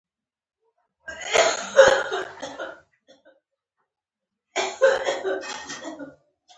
بکس کله کله لږ وپړسېږي او ماته لانجې پیدا کوي.